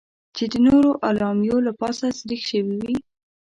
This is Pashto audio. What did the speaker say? چې د نورو اعلامیو له پاسه سریښ شوې وې.